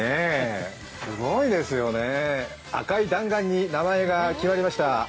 すごいですよね、赤い弾丸に名前が決まりました。